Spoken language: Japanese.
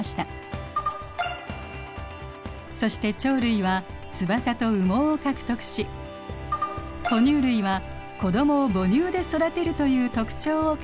そして鳥類は翼と羽毛を獲得し哺乳類は子どもを母乳で育てるという特徴を獲得しました。